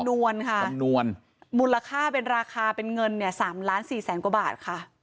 นวลค่ะจำนวนมูลค่าเป็นราคาเป็นเงินเนี่ย๓ล้านสี่แสนกว่าบาทค่ะ